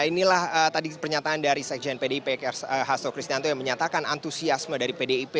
inilah tadi pernyataan dari sekjen pdip hasso kristianto yang menyatakan antusiasme dari pdip